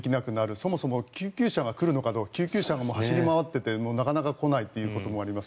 そもそも救急車が来るのかどうか救急車が走り回っていてなかなか来ないということもあります。